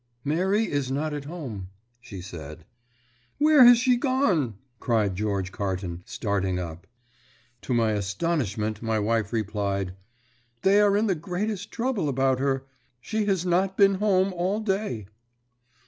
"Mary is not at home," she said. "Where has she gone?" cried George Carton, starting up. To my astonishment my wife replied, "They are in the greatest trouble about her. She has not been home all the day."